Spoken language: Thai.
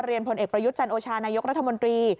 ผลเอกประยุทธ์จันโอชานายกรัฐมนตรี